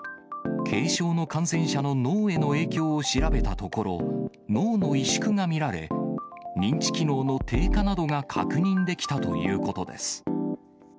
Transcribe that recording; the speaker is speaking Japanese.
軽症の感染者の脳への影響を調べたところ、脳の萎縮が見られ、認知機能の低下などが確認できたということです。